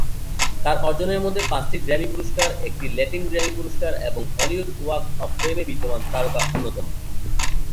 তার অর্জনের মধ্যে পাঁচটি গ্র্যামি পুরস্কার, একটি লাতিন গ্র্যামি পুরস্কার এবং হলিউড ওয়াক অফ ফেমে বিদ্যমান তারকা অন্যতম।